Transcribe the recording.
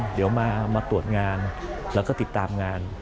เดี๋ยวมาตรวจงานแล้วก็ติดตามงาน